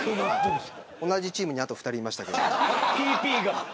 同じチームにあと２人いましたけど。